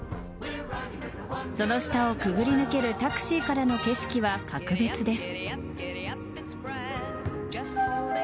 その下をくぐり抜けるタクシーからの景色は格別です。